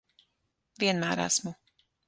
Vienmēr esmu.